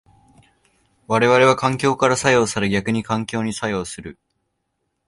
我々は環境から作用され逆に環境に作用する。